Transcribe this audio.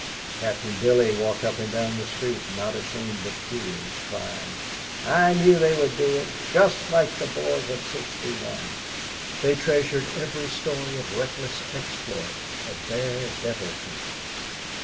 Captain Billy walked up and down the street, not ashamed of tears, crying, "I knew they would do it. Just like the boys of '61." They treasured every story of reckless exploit, of daredeviltry.